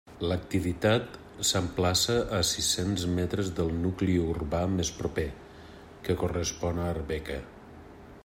L'activitat s'emplaça a sis-cents metres del nucli urbà més proper, que correspon a Arbeca.